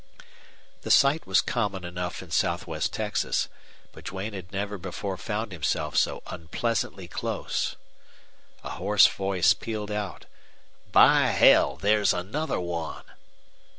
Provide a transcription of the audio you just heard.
The sight was common enough in southwest Texas, but Duane had never before found himself so unpleasantly close. A hoarse voice pealed out: "By hell! there's another one!"